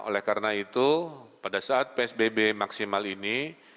oleh karena itu pada saat psbb maksimal ini